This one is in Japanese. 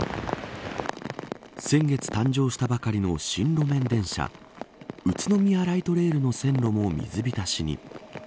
先月誕生したばかりの新路面電車宇都宮ライトレールの線路も水浸しに。